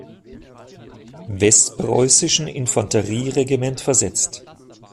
Westpreußischen Infanterie-Regiment versetzt.